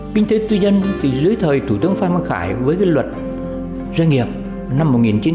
kinh tế tư nhân thì dưới thời thủ tướng phan văn khải với luật doanh nghiệp năm một nghìn chín trăm chín mươi chín